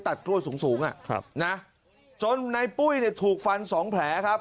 ตัดกล้วยสูงอ่ะครับนะจนในปุ้ยเนี่ยถูกฟันสองแผลครับ